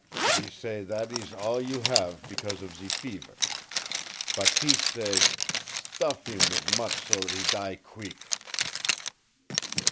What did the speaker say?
"She say that ees all you have because of ze fever. Bateese say, 'Stuff heem wit' much so that he die queek!'"